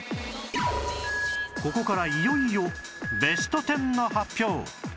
ここからいよいよベスト１０の発表